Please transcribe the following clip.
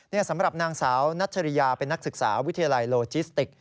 นี่สำหรับนางสาวนัชริยาเป็นนักศึกษาวิทยาลัยโลจิสติก